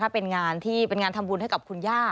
เป็นงานทำบุญให้กับคุณย่า